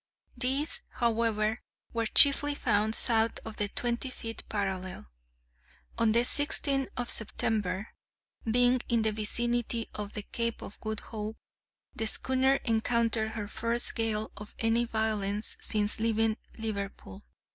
These, however, were chiefly found south of the twenty fifth parallel. On the sixteenth of September, being in the vicinity of the Cape of Good Hope, the schooner encountered her first gale of any violence since leaving Liverpool.